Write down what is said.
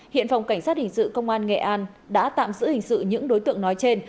hiện phòng cảnh sát hình sự công an nghệ an đã tạm giữ hình sự những đối tượng nói trên